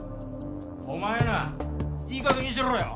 お前ないいかげんにしろよ。